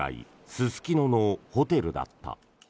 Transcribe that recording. すすきののホテルだた。